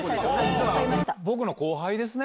僕の後輩ですね。